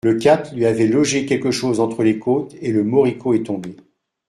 Le cap'n lui a logé quelque chose entre les côtes, et le moricaud est tombé.